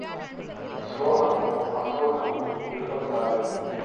சோகமும் அசோகமும் இருபத்தாறு.